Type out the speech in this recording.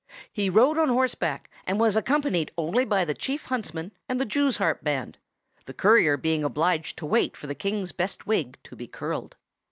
He rode on horseback, and was accompanied only by the Chief Huntsman and the jews harp band, the courier being obliged to wait for the King's best wig to be curled.